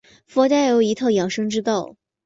佛家也有一套养生之道。